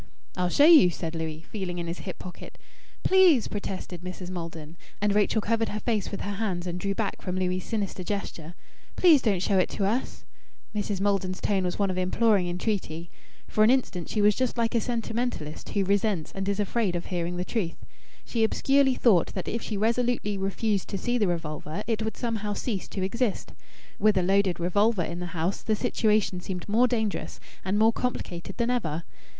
"I'll show you," said Louis, feeling in his hip pocket. "Please!" protested Mrs. Maldon, and Rachel covered her face with her hands and drew back from Louis' sinister gesture. "Please don't show it to us!" Mrs. Maiden's tone was one of imploring entreaty. For an instant she was just like a sentimentalist who resents and is afraid of hearing the truth. She obscurely thought that if she resolutely refused to see the revolver it would somehow cease to exist. With a loaded revolver in the house the situation seemed more dangerous and more complicated than ever.